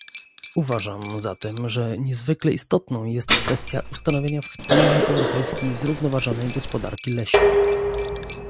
Uważam, zatem że niezwykle istotną jest kwestia ustanowienia wspólnej europejskiej zrównoważonej gospodarki leśnej